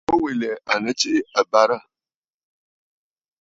Mû wilì à nɨ tsiʼ ì àbə̀rə̀.